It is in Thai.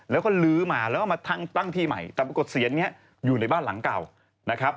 แล้วก็ลื้อมาแล้วก็มาตั้งที่ใหม่แต่ปรากฏเสียนนี้อยู่ในบ้านหลังเก่านะครับ